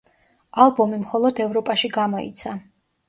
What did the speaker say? ალბომი მხოლოდ ევროპაში გამოიცა.